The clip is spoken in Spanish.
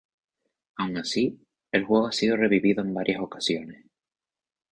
Aun así, el juego ha sido revivido en varias ocasiones.